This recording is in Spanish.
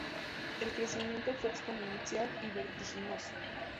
El crecimiento fue exponencial y vertiginoso.